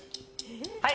はい！